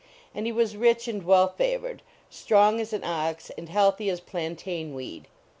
A IK! he was rich and well favored ; strong as an ox, and healthy as plantain weed.